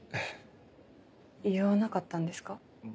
言わなかったんですか？